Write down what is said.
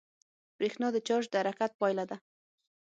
برېښنا د چارج د حرکت پایله ده.